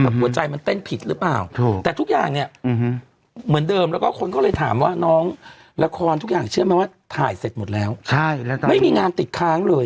หัวใจมันเต้นผิดหรือเปล่าแต่ทุกอย่างเนี่ยเหมือนเดิมแล้วก็คนก็เลยถามว่าน้องละครทุกอย่างเชื่อไหมว่าถ่ายเสร็จหมดแล้วไม่มีงานติดค้างเลย